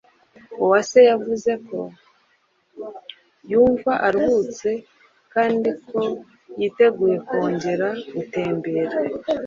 Uwase yavuze ko yumva aruhutse kandi ko yiteguye kongera gutembera.